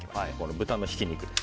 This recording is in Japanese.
豚のひき肉です。